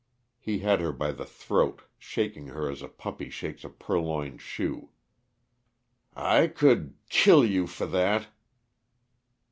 He had her by the throat, shaking her as a puppy shakes a purloined shoe. "I could kill you for that!"